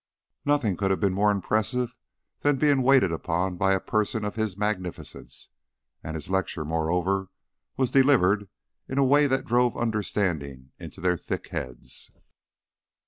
Nothing could have been more impressive than being waited upon by a person of his magnificence, and his lecture, moreover, was delivered in a way that drove understanding into their thick heads.